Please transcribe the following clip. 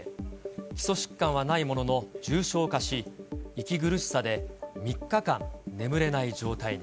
基礎疾患はないものの重症化し、息苦しさで３日間眠れない状態に。